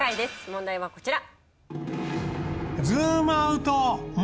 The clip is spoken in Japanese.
問題はこちら。